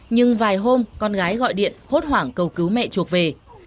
nhưng vài hôm con gái gọi điện hốt hoảng cầu cứu mẹ chuộc về